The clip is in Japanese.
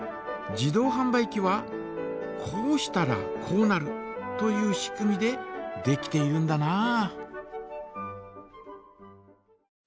自動はん売機はこうしたらこうなるという仕組みでできているんだな。